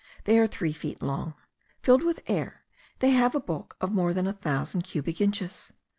They are three feet long. Filled with air, they have a bulk of more than a thousand cubic inches.